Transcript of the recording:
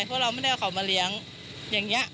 เพราะเราไม่ได้เอาเขามาเลี้ยงอย่างนี้